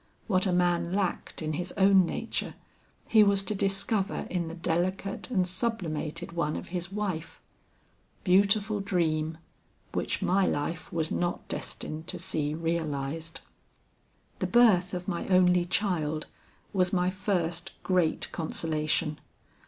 What a man lacked in his own nature, he was to discover in the delicate and sublimated one of his wife. Beautiful dream, which my life was not destined to see realized! "The birth of my only child was my first great consolation.